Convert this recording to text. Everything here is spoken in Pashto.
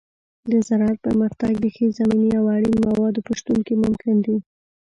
د زراعت پرمختګ د ښې زمینې او اړین موادو په شتون کې ممکن دی.